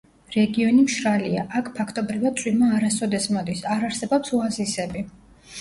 რეგიონი მშრალია; აქ, ფაქტობრივად, წვიმა არასოდეს მოდის, არ არსებობს ოაზისები.